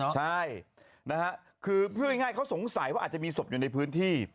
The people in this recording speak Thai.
ใช่นะฮะคือพูดง่ายเขาสงสัยว่าอาจจะมีศพอยู่ในพื้นที่